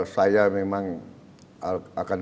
saya memang akan